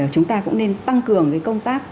chúng ta cũng nên tăng cường công tác